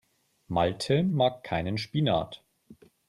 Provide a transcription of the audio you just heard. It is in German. Malte mag keinen Spinat.